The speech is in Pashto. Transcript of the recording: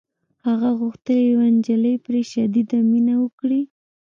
هغه غوښتل یوه نجلۍ پرې شدیده مینه وکړي